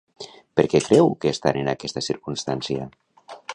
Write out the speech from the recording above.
Per què creu que estan en aquesta circumstància?